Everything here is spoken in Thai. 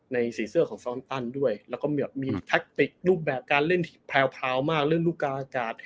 ในสีเสื้อของซ้อนตันด้วยแล้วก็มีแพคติกรูปแบบการเล่นแพลวมาก